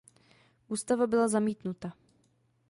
Ústava byla zamítnuta.